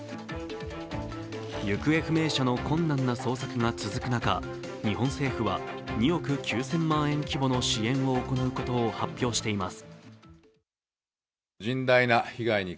行方不明者の困難な捜索が続く中日本政府は２億９０００万円規模の支援を行うことを発表しています。